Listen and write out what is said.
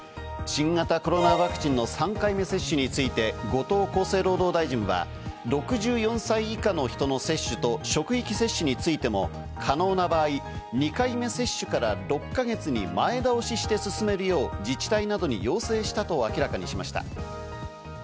新型コロナワクチンの３回目接種について後藤厚生労働大臣は、６４歳以下の人の接種と職域接種についても可能な場合、２回目接種から６か月前倒しして進めるよう、自治体などに要請したと明らかにしました。